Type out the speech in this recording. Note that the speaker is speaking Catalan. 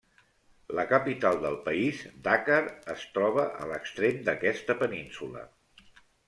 La capital del país, Dakar, es troba a l'extrem d'aquesta península.